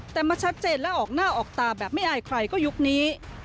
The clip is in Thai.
แต่มาชัดเจนและออกหน้าออกตาแบบไม่อายใครก็ยุคนี้